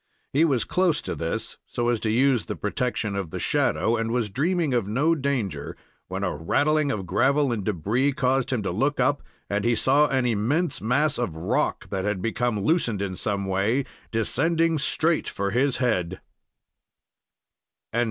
He was close to this, so as to use the protection of the shadow, and was dreaming of no danger, when a rattling of gravel and debris caused him to look up, and he saw an immense mass of rock, that had become loosened in some way, descending straight for his head.